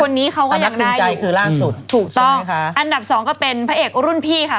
คนนี้เขาก็ยังทรงใช้อยู่อันดับที่๒ก็เป็นพะเอ็กช์รุ่นพี่ครับ